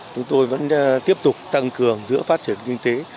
chúng tôi vẫn tiếp tục tăng cường giữa phát triển kinh tế